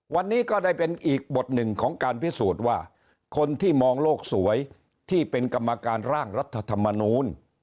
วันนี้ก็ได้เป็นอีกบทหนึ่งของการพิสูจน์ว่าคนที่มองโลกสวยที่เป็นกรรมการร่างรัฐธรรมนูล